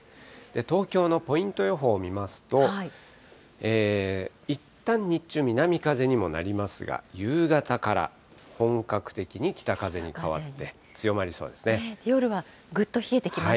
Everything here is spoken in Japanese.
東京のポイント予報を見ますと、いったん日中、南風にもなりますが、夕方から本格的に北風に変わ夜はぐっと冷えてきますね。